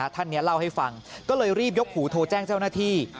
ท่านนี้เล่าให้ฟังก็เลยรีบยกหูโทรแจ้งเจ้าหน้าที่